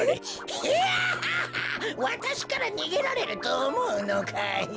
ヒャハハわたしからにげられるとおもうのかい？」。